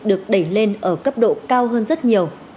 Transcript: được đẩy lên ở cấp độ cao hơn rất nhiều